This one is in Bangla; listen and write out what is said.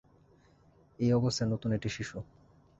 এই অবস্থায় নতুন একটি শিশু।